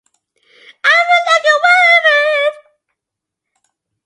I Feel Like a Woman!